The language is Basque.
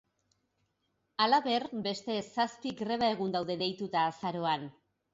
Halaber, beste zazpi greba egun daude deituta azaroan.